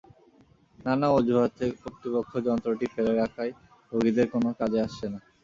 নানা অজুহাতে কর্তৃপক্ষ যন্ত্রটি ফেলে রাখায় রোগীদের কোনো কাজে আসছে না।